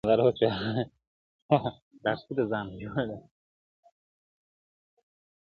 دا د شیخانو له دستاره سره نه جوړیږي -